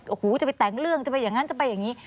โอ้โหจะไปแต่งเรื่องจะไปอย่างนั้นจะไปอย่างนี้